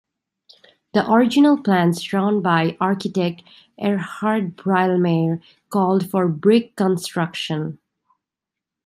The original plans drawn by architect Erhard Brielmaier called for brick construction.